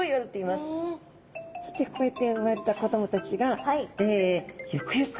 こうやって産まれた子供たちがゆくゆく